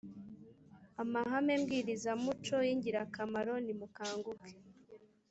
amahame mbwirizamuco y ingirakamaro nimukanguke